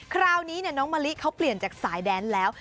คราวนี้น้องมะลิเขาเปลี่ยนจากสายแดนแล้ว